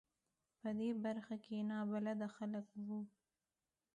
په دې برخه کې نابلده خلک و.